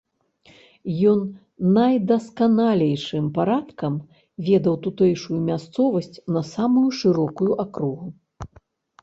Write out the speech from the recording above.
Ён найдасканалейшым парадкам ведаў тутэйшую мясцовасць на самую шырокую акругу.